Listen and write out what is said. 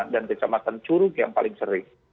dan kecamatan curug yang paling sering